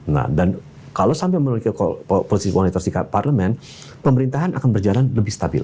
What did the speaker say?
nah dan kalau sampai memiliki posisi kualitas sikap parlemen pemerintahan akan berjalan lebih stabil